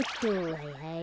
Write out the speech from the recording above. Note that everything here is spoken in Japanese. はいはい。